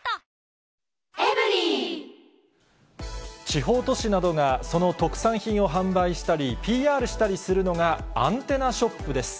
地方都市などがその特産品を販売したり、ＰＲしたりするのが、アンテナショップです。